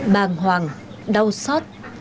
bàng hoàng đau xót